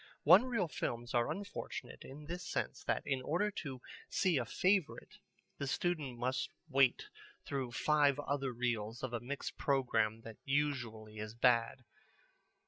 One reel films are unfortunate in this sense that in order to see a favorite the student must wait through five other reels of a mixed programme that usually is bad.